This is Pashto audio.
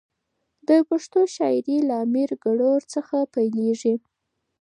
د پښتو شاعري له امیر ګروړ څخه پیلېږي.